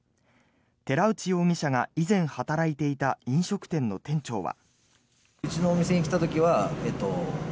寺内容疑者が以前働いていた飲食店の店長は。